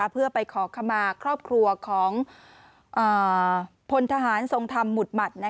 เพื่อไปขอขมาครอบครัวของพลทหารทรงธรรมหมุดหมัด